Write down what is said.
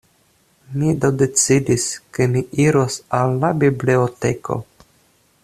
Mi do decidis, ke mi iros al la biblioteko.